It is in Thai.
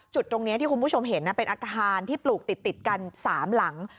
จุดตรงนี้ที่คุณผู้ชมเห็นเป็นอาคารที่ปลูกติดกัน๓หลัง